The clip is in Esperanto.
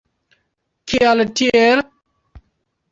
Kial tiel?